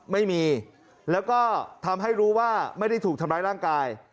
ไม่มีแล้วก็ทำให้รู้ว่าไม่ได้ถูกทำร้ายร่างกาย